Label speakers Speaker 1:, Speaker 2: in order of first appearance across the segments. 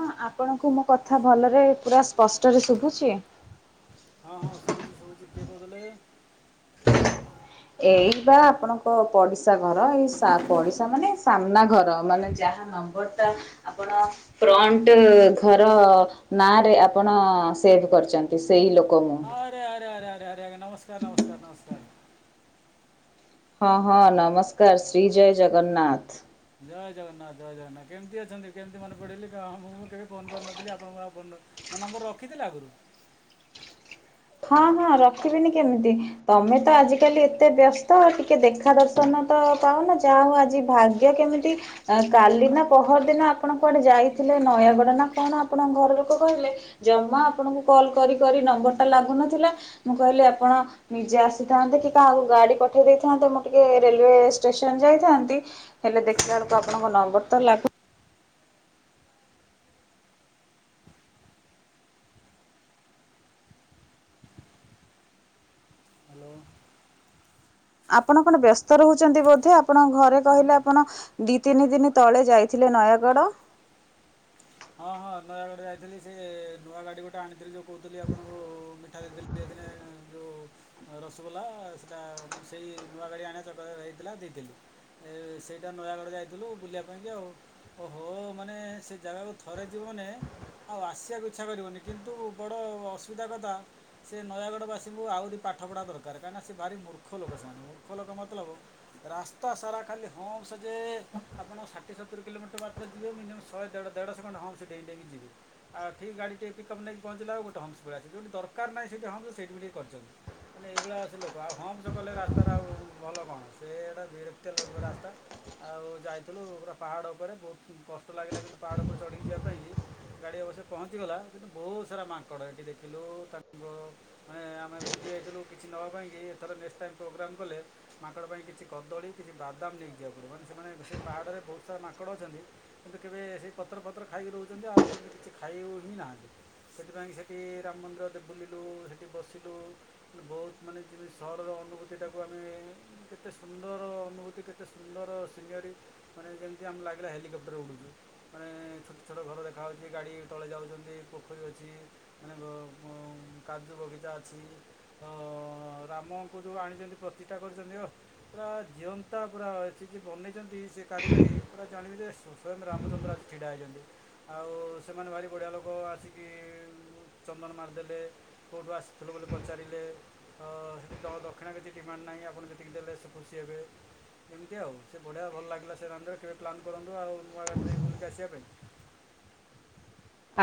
Speaker 1: ହଁ ଆପଣଙ୍କୁ ମୋ କଥା ଭଲରେ ପୁରା ସ୍ପଷ୍ଟରେ ଶୁଭୁଛି?
Speaker 2: ହଁ ହଁ ଶୁଭୁଛି ଶୁଭୁଛି କିଏ କହୁଥିଲେ?
Speaker 1: [inaudible] ଏଇ ପା ଆପଣଙ୍କ ପଡିଶା ଘର ଏଇ ପଡିଶା ମାନେ, ସାମ୍ନା ଘର ମାନେ ଯାହା ନମ୍ବରଟା ଆପଣ ଫ୍ରଣ୍ଟ ଘର ନାଁରେ ଆପଣ ସେଭ୍ କରିଚନ୍ତି। ସେଇ ଲୋକ ମୁଁ।
Speaker 2: ଆରେ ଆରେ ଆରେ ଆରେ ଆରେ ନମସ୍କାର ନମସ୍କାର ନମସ୍କାର।
Speaker 1: ହଁ- ହଁ ନମସ୍କାର ଶ୍ରୀ ଜୟ ଜଗନ୍ନାଥ।
Speaker 2: ଜୟ ଜଗନ୍ନାଥ ଜୟ ଜଗନ୍ନାଥ କେମିତି ଅଛନ୍ତି, କେମିତି ମନେ ପଡିଗଲି? ମୁଁ କେବେ ଫୋନ କରିନଥିଲି, ଆପଣଙ୍କୁ ଆଉ ଫୋ ମୋ ନମ୍ବର ରଖିଥିଲେ ଆଗରୁ
Speaker 1: ହଁ- ହଁ ରଖିବିନି କେମିତି, ତମେ ତ ଆଜିକାଲି ଏତେ ବ୍ୟସ୍ତ ଟିକେ ଦେଖା ଦର୍ଶ ଦର୍ଶନ ପାଉନୁ ଯାହା ହଉ ଆଜି ଭାଗ୍ୟ କେମିତି କାଲି ନା ପହର ଦିନ ଆପଣ କୁଆଡେ ଯାଇଥିଲେ, ନୟାଗଡ଼ ନା କଣ? ଆପଣଙ୍କ ଘର ଲୋକ କହିଲେ ଜମା ଆପଣଙ୍କୁ କଲ୍ କରି କରି ନମ୍ବର ଟା ଲାଗୁନଥିଲା, ମୁଁ କହିଲି ଆପଣ ନିଜେ ଆସିଥାନ୍ତେ କି କାହାକୁ ଗାଡି ପଠେଇ ଦେଇଥାନ୍ତେ, ମୁଁ ଟିକେ ରେଲୱେ ଷ୍ଟେସନ ଯାଇଥାନ୍ତି। ହେଲେ ଦେଖିଲା ବେଳକୁ ଆପଣଙ୍କ ନମ୍ବର ତ ଲାଗୁ
Speaker 2: ହ୍ୟାଲୋ।
Speaker 1: ଆପଣ କଣ ବ୍ୟସ୍ତ ରହୁଛନ୍ତି ବୋଧେ, ଆପଣଙ୍କ ଘରେ କହିଲେ ଆପଣ ଦି ତିନି ଦିନ ତଳେ ଯାଇଥିଲେ ନୟାଗଡ଼।
Speaker 2: ହଁ- ହଁ ନୟାଗଡ଼ ଯାଇଥିଲି ସେ ନୂଆ ଗାଡି ଗୋଟେ ଆଣିଥିଲି, ଯୋଉ କହୁଥିଲି ଆପଣଙ୍କୁ ମିଠା ଦେଇଥିଲି। ଦେଇଥିଲି ଯୋଉ ରସଗୋଲା ସେଇଟା ସେଇ ନୂଆ ଗାଡି ଆଣିବା ଚକରରେ ହେଇଥିଲା ଦେଇଥିଲି। ଏ ସେଇଟା ନୟାଗଡ଼ ଯାଇଥିଲୁ ବୁଲିବା ପାଇଁକି ଆଉ, ଓ ହୋ ମାନେ ସେ ଜାଗାକୁ ଥରେ ଯିବୁ ମାନେ ଆଉ ଆସିବାକୁ ଇଚ୍ଛା କରିବନି, କିନ୍ତୁ ବଡ଼ ଅସୁବିଧା କଥା ସେ ନୟାଗଡ଼ବାସୀଙ୍କୁ ଆହୁରି ପାଠ ପଢ଼ା ଦରକାର, କାହିଁକିନା ସେ ଭାରି ମୂର୍ଖ ଲୋକ ସେମାନେ। ମୂର୍ଖ ଲୋକ ମତଲବ ରାସ୍ତା ସାରା ଖାଲି ହମ୍ଫସ ଯେ, ଆପଣ ଷାଠିଏ ସତୁରି କିଲୋମିଟର ମାତ୍ର ଯିବେ ମିନିଅମ ଶହେ ଦେଢ ଦେଢ଼ଶ ଖଣ୍ଡେ ହମ୍ଫସ ଡେଇଁ ଡେଇଁ ଯିବେ। ଆଉ ଠିକ ଗାଡ଼ିିଟେ ପିକ୍ଅପ୍ ନେଇକି ପହଞ୍ଚିଲା ଆଉ ଗୋଟେ ହମ୍ଫସ ପଳେଇଆସେ, ଯୋଉଠି ଦରକାର ନାହିଁ ସେଇିଠି ହମ୍ଫସ ସେଇଠି କରିଛନ୍ତି। ମାନେ ଏଇଭଳିଆ ଆ ସେ ଲୋକ ଆଉ ହମ୍ପସ କଲେ ରାସ୍ତାଟା ଆଉ ଭଲ କଣ, ସେଟା ବିରକ୍ତ ଲୋ ରାସ୍ତା। ଆଉ ଯାଇଥିଲୁ ପୁରା ପାହାଡ଼ ଉପରେ ବହୁତ କଷ୍ଟ ଲାଗିଲା, କିନ୍ତୁ ପାହାଡ଼ ଉପରେ ଚଢିକି ଯିବା ପାଇଁକି ଗାଡି ଅବଶ୍ୟ ପହଞ୍ଚିଗଲା, କିନ୍ତୁ ବହୁତ ସାରା ମାଙ୍କଡ ଏଠି ଦେଖିଲୁ। ତାଙ୍କ ଆମେ ଭୁଲି ଯାଇଥିଲୁ କିଛି ନେବା ପାଇଁକି, ଏଥର ନେକ୍ସଟ ଟାଇମ୍ ପ୍ରୋଗ୍ରାମ କଲେ ମାଙ୍କଡ଼ ପାଇଁ କିଛି କଦଳୀ, କିଛି ବାଦାମ ନେଇକି ଯିବାକୁ ପଡିବ। ମାନେ ସେମାନେ ସେ ପାହାଡରେ ବହୁତ ସାରା ମାଙ୍କଡ଼ ଅଛନ୍ତି। କିନ୍ତୁ କେବେ ସେ ପତ୍ର ଫତ୍ର ଖାଇକି ରହୁଛନ୍ତି, ଆଉ କିଛି ଖାଇ ହିଁ ନାହାନ୍ତି। ସେଥିପାଇଁ ସେଠି ରାମ ମନ୍ଦିରରେ ବୁଲିଲୁ, ସେଠି ବସିଲୁ ବହୁତ ମାନେ ଯେମିତି ସହରର ଅନୁଭୂତିଟାକୁ ଆମେ କେତେ ସୁନ୍ଦର ଅନୁଭୂତି, କେତେ ସୁନ୍ଦର ସିନେରୀ ମାନେ ଯେମିତି ଆମକୁ ଲାଗିଲା ହେଲିକପ୍ଟରରେ ଉଡ଼ୁଛୁ। ମାନେ ଛୋଟ ଛୋଟ ଘର ଦେଖାହେଉଛି, ଗାଡ଼ି ତଳେ ଯାଉଛନ୍ତି। ପୋଖରୀ ଅଛି ମାନେ ବ କାଜୁ ବଗିଚା ଅଛି। ତ ରାମଙ୍କୁ ଯୋଉ ଆଣିଚନ୍ତି ପ୍ରତିଷ୍ଠା କରିଛନ୍ତି, ଓ। ପୁରା ଜିଅନ୍ତା ପୁରା ସିଏ ଯିଏ ବନେଇଛନ୍ତି, ସେ କାରିଗରି ପୁରା ଜାଣିବି ଯେ ସ୍ଵୟଂ ରାମଚନ୍ଦ୍ର ଆସି ଛିଡ଼ା ହେଇଛନ୍ତି, ଆଉ ସେମାନେ ଭାରି ବଢ଼ିଆ ଲୋକ ଆସିକି ଚନ୍ଦନ ମାରିଦେଲେ, କୋଉଠୁ ଆସିଥିଲୁ ବୋଲି ପଚାରିଲେ। ତ ସେଠି ତମ ଦକ୍ଷିଣା କିଛି ଡିମାଣ୍ଡ ନାହିଁ, ଆପଣ ଯେତିକି ଦେଲେ ସେ ଖୁସି ହେବେ। ଏମିତି ଆଉ ସେ ବଢ଼ିଆ ଭଲ ଲାଗିଲା। ସେ ରାଉଣ୍ଡ ରେ କେବେ ପ୍ଲାନ୍ କରନ୍ତୁ, ଆଉ ନୂଆ ଗାଡ଼ି ଯାଇ ବୁଲିକି ଆସିଆ ପାଇଁ।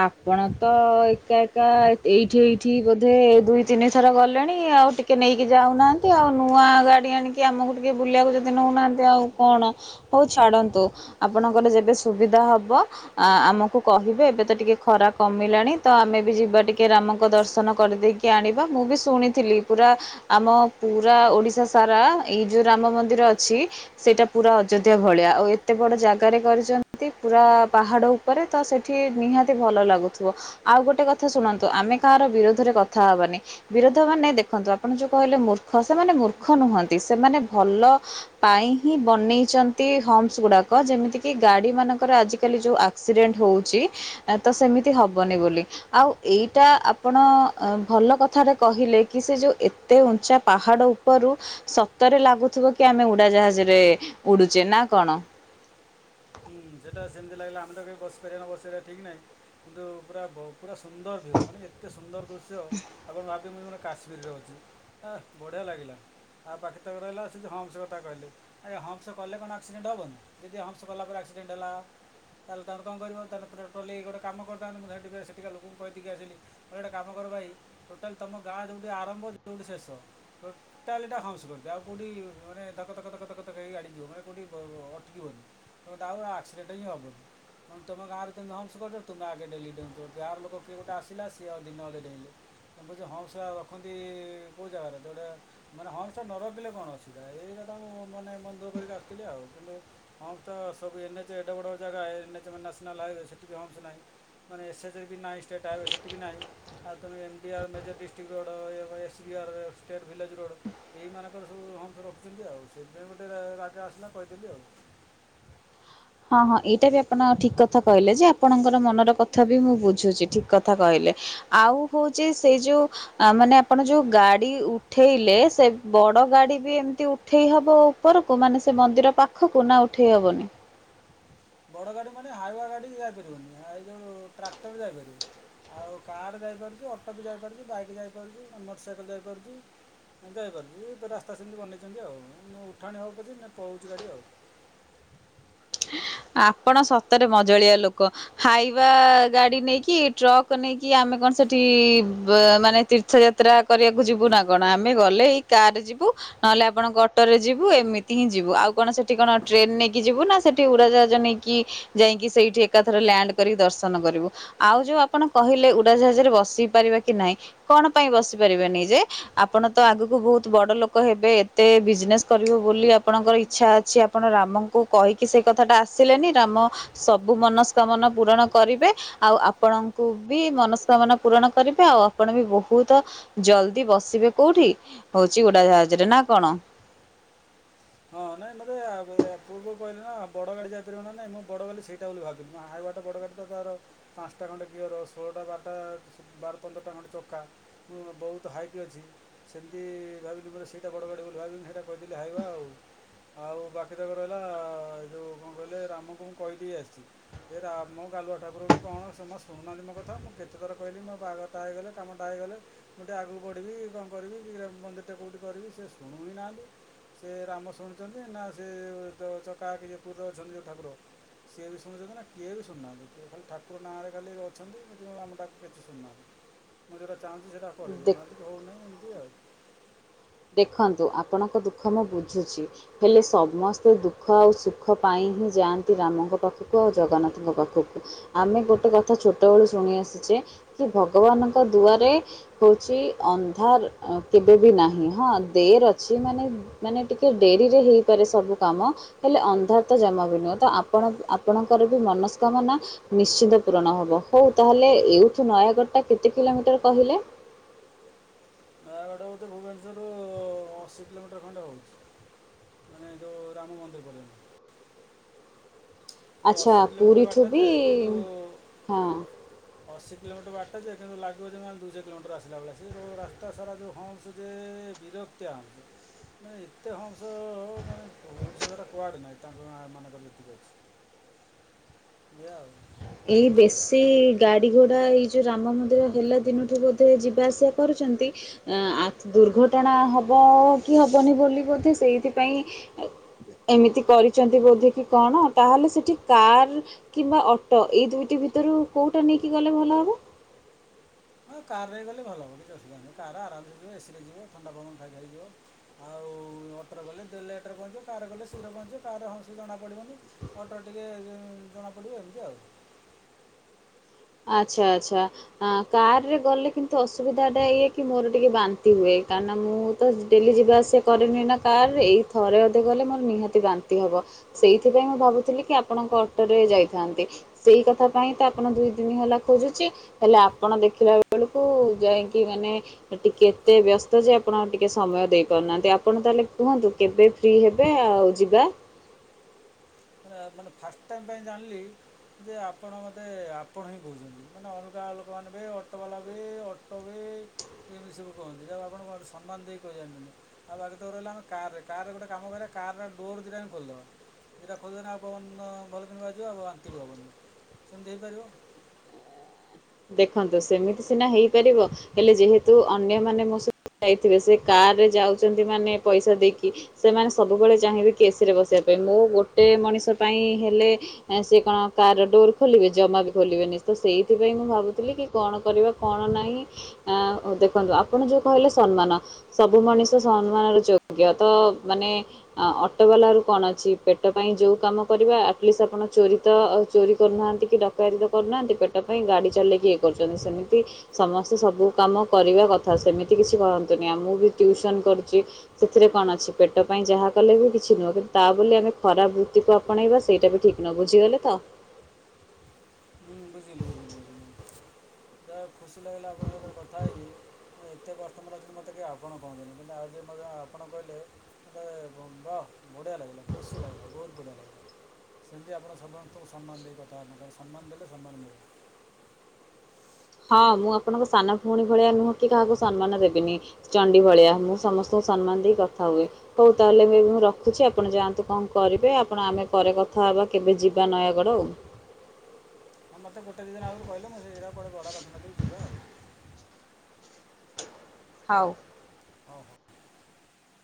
Speaker 1: ଆପଣ ତ ଏକା ଏକା ଏଇଠି ଏଇଠି ବୋଧେ ଦୁଇ ତିନି ଥର ଗଲେଣି, ଆଉ ଟି ଟିକେ ନେଇକି ଯାଉନାହାଁନ୍ତି, ଆଉ ନୂଆ ଗାଡ଼ି ଆଣିକି ଆମକୁ ଟିକେ ବୁଲିବାକୁ ଯଦି ନଉନାହାଁନ୍ତି ଆଉ କଣ? ହଉ ଛାଡ଼ନ୍ତୁ ଆପଣଙ୍କର ଯେବେ ସୁବିଧା ହବ ଆମକୁ କହିବେ। ଏବେ ଟିକେ ଖରା କମିଲାଣି, ତ ଆମେ ବି ଯିବା ଟିକେ ରାମଙ୍କ ଦର୍ଶନ କରିଦେଇକି ଆଣିବା। ମୁଁ ବି ଶୁଣିି ଥିଲି ପୁରା ଆମ ପୁରା ଓଡ଼ିଶା ସାରା, ଏଇ ଯୋଉ ରାମ ମନ୍ଦିର ଅଛି ସେଇଟା ପୁରା ଅଯୋଧ୍ୟା ଭଳିଆ ଆଉ ଏତେ ବଡ ଜାଗାରେ କରିଛନ୍ତି ପୁରା ପାହାଡ ପରେ ତ ସେଠି ନିହାତି ଭଲ ଲାଗୁଥିବ ଆଉ ଗୋଟେ କଥା ଶୁଣନ୍ତୁ ଆମେ କାହାର ବିରୋଧରେ କଥା ହବାନି ବିରୋଧ ମାନେ ଦେଖନ୍ତୁ ଆପଣ ଯୋଉ କହିଲେ ମୂର୍ଖ ସେମାନେ ମୂର୍ଖ ନୁହନ୍ତି ସେମାନେ ଭଲ ପାଇଁ ହିଁ ବନେଇଛନ୍ତି ହୋମସ ଗୁଡାକ ଯେମିତି କି ଗାଡି ମାନଙ୍କର ଆଜିକାଲି ଯୋଉ ଆକ୍ସିଡେଣ୍ଟ ହଉଛି ତ ସେମିତି ହବନି ବୋଲି। ଆଉ ଏଇଟା ଆପଣ ଭଲ କଥାରେ କହିଲେ କି ସେ ଯୋଉ ଏତେ ଉଞ୍ଚା ପାହାଡ ଉପ ରୁ ସତରେ ଲାଗୁଥିବ କି ଆମେ ଉଡାଜାହାଜରେ ଉଡୁଛେ ନା କଣ?
Speaker 2: ହୁଁ ସେଇଟା ସେମିତି ଲାଗିଲା ଆମେ ତ କେବେ ବସି ପାରିବା ନ ବସିବା ଠିକ୍ ନାହିଁ କିନ୍ତୁ ପୁରା ପୁରା ସୁନ୍ଦର ଭ୍ୟୁ ମାନେ ଏତେ ସୁନ୍ଦର ଦୃଶ୍ୟ ଆପଣ ଭାବି ମୁ ମାନେ କାଶ୍ମୀରରେ ଅଛି ହ ବଢ଼ିଆ ଲାଗିଲା। ଆଉ ପାଖି ତକ ରହିଲା ସେଦି ହୋମ୍ସ କଥା କହିଲ ଆରେ ହୋମ୍ସ କଲେ କଣ ଆକ୍ସିଡଣ୍ଟ ହେବନ ଯଦି ହ ସ କଲା ପରେ ଆକ୍ସିଡେଟ ହେଲା। ତାହେଲେ ତାହେ କଣ କରିବ ତାେ ପେଟ୍ରୋଲ ଗୋଟେ କାମ କରିଥାନ୍ତ ମୁଁ ସେଠି ସେଠିକା ଲୋକଙ୍କୁ କହିକି ଆସିଲି। ମ ଗୋଟେ କାମ କର ଭାଇ ଟୋଟାଲ ତମ ଗାଁ ଯୋଉଠି ଆରମ୍ଭ ଯୋଉଠି ଶେଷ। ତାହେଲେ ଏଇଟା ହମ୍ପସ କରିଦିଅ ଆଉ କୋଉଠି ମାନେ ଧକ ଧକ ଧକ ଧକ ଧକ ହେଇ ଗାଡ଼ିଯିବନି ମାନେ ଅଟକିଯିବନି। ଗୋଟ ଆଉ ଆକ୍ସିଡେଣ୍ଟ ହିଁ ହବ। ହଁ ତମେ ଗାଁରେ ଯେମ ହମ୍ପସ କରିଚ ତମେ ଆଗେ ଡେଲି ଡେଉଁଚ ବାହାର ଲୋକ କିଏ ଗୋଟେ ଆସିଲା ସି ଏ ଦିନେ ଅଧେ ଡେଇଁଲା। ହମ୍ପସ ଟା ରଖନ୍ତି କେଉଁ ଜାଗାରେ ଯେଉଁଟା ମାନେ ହଁ ସ ନରଖିଲେ କଣ ଅଛିା ଏଇଟା ତାଙ୍କୁଁ ମାନେ ମନ୍ଦ ଦର କରିକି ଆସିଥିଲି ଆଉ କିନ୍ତୁ ତ ସବୁ ଏନ୍ଚ ଏଡ଼ ବଡ଼ ଜାଗା ଏ ନ୍ୟସନାଲ୍ ହାଇୱେ ସେଠି ହମ୍ସ ନାହିଁ। ମାନେ ଏଏଚ୍ ବି ନାହିଁ ଷ୍ଟେଟ୍ ହାଇୱବେ ସେଠି ବି ନାହିଁ। ଆଉ ତମ ଏଡିଆର ମେଜର ଡିଷ୍ଟ୍ରିକ୍ଟ ରଡ ଏଆରଷ୍ଟେ ଭିଲଜ ରୋଡ। ଏଇ ମାନଙ୍କର ସବୁ ହୋମ ରଖିଛନ୍ତି ଆଉ ସେଇଥିପାଇଁ ଗୋଟେ ରାଗରେ ଆସିଲା କହିଥିଲି ଆଉ
Speaker 1: ହଁ ହଁ ଏଇଟା ବି ଆପଣ ଠିକ କଥା କହିଲେ ଯେ ଆପଣଙ୍କର ମନର କଥା ବି ମୁଁ ବୁଝୁଛି ଠିକ କଥା କହିଲେ। ଆଉ ହଉଛି ସେଇ ଯୋଉ ଆ ମାନେ ଆପଣ ଯୋଉ ଗାଡି ଉଠେଇଲେ ସେ ବଡ ଗାଡି ବି ଏମିତି ଉଠେଇ ହବ ଆଉ ଉପରକୁ ମାନେ ସେ ମନ୍ଦିର ପାଖକୁ ନା ଉଠେଇ ହେବନି?
Speaker 2: ବଡ଼ ଗାଡି ମାନେ ହାଇୱା ଗାଡ଼ି ଯାଇପାରିବନି ଯଉ ଟ୍ରାକ୍ଟର ଯାଇପାରିବ। ଆଉ କାର୍ ଯାଇପାରୁଛି ଅଟୋ ବି ଯାଇପାରୁଛି ବାଇକ୍ ଯାଇପାରୁଛି ମୋଟରସାଇକେଲ ଯାଇପାରୁଛି। ହ ଯାଇପାରୁଛି ଏବେ ରାସ୍ତା ସେମିତି ବନେଇଛନ୍ତି ଆଉ ମୁ ଉଠାଣି ହଉ ପଛେ ପଳଉଛି ଗାଡ଼ି ଆଉ
Speaker 1: ଆପଣ ସତରେ ମଜଳିଆ ଲୋକ। ହାଇବା ଗାଡି ନେଇକି ଟ୍ରକ୍ ନେଇକି ଆମେ କଣ ସେଠି ମାନେ ତୀର୍ଥଯାତ୍ର ଯାତ୍ରା କରିବାକୁ ଯିବୁ ନା କଣ ଆମେ ଗଲେ ଏଇ କାର ଯିବୁ। ନହେଲେ ଆପଣଙ୍କ ଅଟୋରେ ଯିବୁ ଏମିତି ହିଁ ଯିବୁ ଆଉ କଣ ସେଠି କଣ ଟ୍ରେନ ନେଇକି ଯିବୁ ନା ସେଠି ଉଡାଯା ନେଇକି ଯାଇକି ସେଇଠି ଏକାଥର ଲ୍ୟାଣ୍ଡ କରିକି ଦର୍ଶନ କରିବୁ। ଆଉ ଯୋଉ ଆପଣ କହିଲେ ଉଡାଜାହାଜରେ ବସି ପାରିବ କି ନହିଁ କଣ ପାଇଁ ବସି ପାରିବାନି ଯେ ଆପଣ ତ ଆଗକୁ ବହୁତ ବଡ ଲୋକ ହେବେ ଏତେ ବିଜନେସ୍ କରିବେ ବୋଲି ଆପଣଙ୍କର ଇଛା ଅଛି। ଆପଣ ରାମଙ୍କୁ କହିକି ସେ କଥାଟା ଆସିଲେନି ରାମ ସବୁ ମନସ୍କାମନା ପୂରଣ କରିବେ। ଆଉ ଆପଣଙ୍କୁ ବି ମନସ୍କାମନା ପୂରଣ କରିବେ ଆଉ ଆପଣ ବି ବହୁତ ଜଲଦି ବସିବେ କୋଉଠି ହଉଛି ଉଡାଜାହାଜରେ ନା କଣ?
Speaker 2: ହଁ ନାଇଁ ମୋତେ ପୂର୍ବରୁ କହିଲି ନା ବଡ ଗାଡି ଯାଇପାରିବ ନା ନାଇଁ ମୁଁ ବଡ ଗାଲି ସେଇଟା ବୋଲି ଭାବିଲି ନା ହାଇୱା ଟା ବଡ ଗାଡି ଟା ତାର ପାଞ୍ଚଟା ଖଣ୍ଡେ ଗିଅର ଷୋଳଟା ବାରଟା ବାର ପନ୍ଦରଟା ଖଣ୍ଡେ ଚକା ବହୁତ ହାଇଟ ଅଛି। ସେମିତି ଭାବିନି ପୁର ସେଇଟା ବଡ଼ ଗାଡ଼ି ବୋଲି ଭାବିଲିନି ସେଇଟା କହିଦେଲି ହାଇବା ଆ ଆଉ ବାକି ତାକ ରହିଲା ଏ ଯୋଉ କଣ କହିଲେ ରାମଙ୍କୁ ମୁଁ କହିଦେଇ ଆସିଛି। ଏ ରାମ ଗାଲୁଆ ଠାକୁର ବି କଣ ଜମା ଶୁଣୁନାହାନ୍ତି ମୋ କଥା ମୁଁ କେତେ ଥର କହିଲି ମୋ ବାହାଘର ହେଇଗଲେ କାମ ଟା ହୋଇଗଲେ ମୁଁ ଟିକେ ଆଗକୁ ବଢ଼ିବି କଣ କରିବି ମନ୍ଦିରଟା କେଉଠି କରିବି ସେ ଶୁଣୁ ବିି ନାହାନ୍ତି ସେ ରାମ ଶୁଣୁଛନ୍ତି ନା ସେ ଚକାଆଖି ଯେ ପୁରୀ ରେ ଅଛନ୍ତି ଯୋଉ ଠାକୁର। ସିଏ ବି ଶୁଛନ୍ତି ନା କିଏ ବି ଶୁନାହାନ୍ତି କି ଖାଲି ଠାକୁର ନାଁରେ ଖାଲି ଅଛନ୍ତି ଆମଟାକୁ କେତେ ଶୁନାହାନ୍ତି। ମୁଁ ଯଉଟା ଚାହୁଁଛି ସେଇଟା କରିଦଉନାହାନ୍ତି ହଉନାହିଁ ଏମିତି ଆଉ।
Speaker 1: ଦେଖନ୍ତୁ ଆପଣଙ୍କ ଦୁଃଖ ମୁଁ ବୁଝୁଛି? ହେଲେ ସମସ୍ତେ ଦୁଃଖ ଆଉ ସୁଖ ପାଇଁ ହିଁ ଯାଆନ୍ତି ରାମଙ୍କ ପାଖକୁ ଆଉ ଜଗନ୍ନାଥଙ୍କ ପାଖକୁ। ଆମେ ଗୋଟେ କଥା ଛୋଟବେଳୁ ଶୁଣି ଆସିଛେ କି ଭଗବାନଙ୍କ ଦୁଆରେ ହଉଛି ଅନ୍ଧାର କେବେ ବି ନାହିଁ। ହଁ ଦେଡେର୍ ଅଛି ମାନେ ମାନେ ଟିକେ ଡେରିରେ ହେଇପାରେ ସବୁ କାମ। ହେଲେ ଅନ୍ଧାର ତ ଜମା ବି ନୁହେଁ ତ ଆପଣ ଆପଣଙ୍କର ବି ମନସ୍କାମନା ନିଶ୍ଚିନ୍ତ ପୂରଣ ହବ ହଉ ତାହେଲେ ଏଇଠୁ ନୟାଗଡ଼ ଟା କେତେ କିଲୋମିଟର କହିଲେ?
Speaker 2: ନୟାଗଡ଼ ହେଉତେ ଭୁବନେଶ୍ୱରରୁ ଅଶୀ କିଲୋମିଟର ଖଣ୍ଡେ ହେଉନି। ମାନେ ଯେଉଁ ରାମ ମନ୍ଦିର ପର୍ଯ୍ୟନ୍ତ। କିନ୍ତୁ
Speaker 1: ଆଚ୍ଛା
Speaker 2: ଅଶୀ କିଲୋମିଟର
Speaker 1: ପୁରୀଠୁ
Speaker 2: ବାଟା
Speaker 1: ବି
Speaker 2: ଯେ କିନ୍ତୁ
Speaker 1: ହଁ
Speaker 2: ଅଶୀ କିଲୋମିଟର ବାଟ ଯେ କିନ୍ତୁ ଲାଗିବ ଯେେ ଦୁଇଶହ କିଲୋମିଟର ଆସିଲାେଳେ ସେଉ ରାସ୍ ସାରା ଯଉ ହୁ ଯେ ବିରକ୍ତି ଆଉକୁ। ମାନେ ଏତେ ହଂସ ମାନେ ଓଡ଼ିଶା ଦାରା କୁଆଡ଼େ ନାହିଁ ତାଙ୍କ ମାନଙ୍କର ଯେତିକି ଅଛି। ବଉ।
Speaker 1: ଏଇ ବେଶୀ ଗାଡ଼ି ଘୋଡ଼ା ଏଇ ଯେଉଁ ରାମ ମନ୍ଦିର ହେଲା ଦିନଠୁ ବୋଧେ ଯିବା ଆସିବା କରୁଛନ୍ତି। ଅ ଦୁର୍ଘଟଣା ହବ କି ହବନି ବୋଲି ବୋଧେ ସେଇଥିପାଇଁ ଏମିତି କରିଛନ୍ତି ବୋଧେ କି କଣ ତାହେଲେ ସେଠି କାର କିମ୍ବା ଅଟ ତ ଏଇ ଦୁଇଟି ଭିତରୁ କେଉଁଟା ନେଇକି ଗଲେ ଭଲ ହେବ।
Speaker 2: ହଁ କାରରେ ହେଇ ଗଲେ ଭଲ ହବ କିଛି ଅୁବିଧା ନାହି କ ଆରାମେ ଯିବ ଏସି ଲାଗିଯିବ ଥଣ୍ଡା ପବନ ଖାଇକ ହେଇଯିବ। ଆଉ ଅଟୋର ଗଲେ ଲେଟ୍ରେ ପହଞ୍ଚିବ କାର ଗଲେ ଶୀଘ୍ର ପହଞ୍ଚିବ କାର ହଣ ସୁବଧା ଜଣାପଡ଼ିବନି। ଅଟୋ ଟିକେ ଜଣା ପଡିବ ଏମ କି ଆଉ।
Speaker 1: ଆଚ୍ଛା ଆଚଛା। କାର ରେ ଗଲେ କିନ୍ତୁ ଅସୁବିଧା ଟା ଇଏ କି ମୋର ଟିକେ ବାନ୍ତି ହୁଏ କାର ମୁଁ ତ ଡେଲି ଯିବା ଆସ କରିରେନି ନା କାର୍ ଏଇ ଥରେ ଅଧେ ଗଲେ ମୋର ନିହାତି ବାନ୍ତି ହବ। ସେଇଥିପାଇଁ ମୁଁ ଭାବୁଥିଲି କି ଆପଣଙ୍କ ଅଟୋରେ ଯାଇଥାନ୍ତି ସେଇ କଥା ପାଇଁ ତ ଆପଣ ଦୁଇ ଦିନ ହେଲା ଖୋଜୁଛି ହେଲେ ଆପଣ ଦେଖିଲା ବେଳକୁ ଯାଇକି ମାନେ ଟିକେ ଏତେ ବ୍ୟସ୍ତ ଯେ ଆପଣ ଟିକେ ସମୟ ଦେଇପାରୁନାହାନ୍ତି ଆପଣ ତାହେଲେ କୁହନ୍ତୁ? କେବେ ଫ୍ରି ହେବେ ଆଉ ଯିବା।
Speaker 2: ମ ମାନେ ଫାଷ୍ଟ ଟାଇମ୍ ପାଇଁ ଜାଣିଲି ଯେ ଆପଣ ମୋତେ ଆପଣ ହିଁ କହୁଛନ୍ତି ମାନେ ଅଲଗା ଲୋକମାନେ ବି ଅଟୋ ବାଲା ବି ବି ଏମିତି ସବୁ କୁନ୍ତି ଯାହା ଆପଣ ସମ୍ମାନ ଦେଇ କହିଦନ୍ତିନି। ଆଉ ବାକି ତୋ ରହିଲ ଆମ କାର କାରରେ ଗୋଟେ କାମ କରିବା କାର ଡୋର ଦଟାେ ଖୋଲିଦବା। ଏଇଟା ଖୋୋଲିଦେ ଆଉ ପବନ ଭଲ କିଣ ବାିବ ଆଉ ଆନ୍ତିିକ ହେବନି କେମିତି ହେଇପାରିବ।
Speaker 1: ଦେଖନ୍ତୁ ସେମିତି ସିନା ହେଇପାରିବ ହେଲେ ଯେହେତୁ ଅନ୍ୟମାନୋନ ମୋ ସହିତ ଯାଇଥିବେ ସେ କାର ରେ ଯାଉଛନ୍ତି ମାନେ ପଇସା ଦେଇକି ସେମାନେ ସବୁବେଳେ ଚାହିଁବେ କି ଏସିରେ ବସିବା ପାଇଁ ମୋ ଗୋଟେ ମଣିଷ ପାଇଁ ହେଲେ ସେ କଣ କାର ଡୋର ଖୋଲିବେ ଜମା ବି ଖୋଲିବେନି ତ ସେଇଥିପାଇଁ ମୁଁ ଭାବି ଥିଲି କି କଣ କରିବା କଣ ନାହିଁ ଆ ଦେଖନ୍ତୁ ଆପଣ ଯୋଉ କହିଲେ ସମ୍ମାନ ସବୁ ମଣିଷ ସମ୍ମାନର ଯୋଗ୍ୟ ତ ମାନେ ଆ ଅଟୋ ବାଲା ରୁ କଣ ଅଛି ପେଟ ପାଇଁ ଯୋଉ କାମ କରିବା ଆଟଲିଷ୍ଟ ଆପଣ ଚୋରି ତ ଚୋରି କରୁନାହାନ୍ତି କି ଡକାୟତି ତ କରୁନାହାଁନ୍ତି ପେଟ ପାଇଁ ଗାଡ଼ି ଚଲେଇକି ଇଏ କରୁଛନ୍ତି ସେମିତି ସମସ୍ତେ ସବୁ କାମ କରିବା କଥା ସେମିତି କିଛି କରନ୍ତୁନି ଆ ମୁଁ ବି ଟଟିଉସନ କରୁଛି। ସେଥିରେ କଣ ଅଛି ପେଟ ପାଇଁ ଯାହା କଲେ ବି କିଛି ନୁହଁ କିନ୍ତୁ ତା ବୋଲି ଆମେ ଖରାପ ବୃତ୍ତିକୁ ଆପଣେଇବା ସେଇଟା ବି ଠିକ ନ ବୁଝିଗଲେ ତ।
Speaker 2: ହୁଁ ବୁଝିଲ ବୁିଲ ବୁିଲ। ବହୁତ୍ ଖୁସି ଲାଗିଲା ଆପଣଙ୍କ ସାଙ୍ଗରେ କଥା ହେଇକି। ଏତେ କଷ୍ଟମର ଅଛନ୍ତି ମୋତେ କେହି ଆପଣ କହନ୍ତିନି କିନ୍ତୁ ଆଉ ଯୋଉ ଆପଣ କହିଲେ ବାଃ ଲାଗିଲା ଖୁସି ଲାଗିଲା ବହୁତ ବଢିଆ ଲାଗିଲା। ସେମିତି ଆପଣ ସମସ୍ତଙ୍କୁ ସମ୍ମାନ ଦେଇ କଥାବାର୍ତ୍ତା କର ସମ୍ମାନ ଦେଲେ ସମ୍ମାନ ମିଳିବ।
Speaker 1: ହଁ ମୁଁ ଆପଣଙ୍କ ସାନ ଭଉଣୀ ଭଳିଆ ନୁହଁ କି କାହାକୁ ସମ୍ମାନ ଦେବିନି। ଚଣ୍ଡି ଭଳିଆ ମୁଁ ସମସ୍ତଙ୍କୁ ସମ୍ମାନ ଦେଇ କଥା ହୁଏ। ହଉ ତାହେଲେ ଏବେ ମୁଁ ରଖୁଛି ଆପଣ ଯାଆନ୍ତୁ କଣ କରିବେ ଆପଣ ଆମେ ପରେ କଥା ହେବା କେବେ ଯିବା ନୟାଗଡ଼ ଆଉ।
Speaker 2: ହଁ ମତେ ଗୋଟେ ଦି ଦିନ ଆଗରୁ କହିଲେ ମୁଁ ସେଇରା କୁଆଡେ ଭଡା ରଖି ନଥିବି ଯିବା ଆଉ।
Speaker 1: ହଉ।
Speaker 2: ହଁ ହଁ।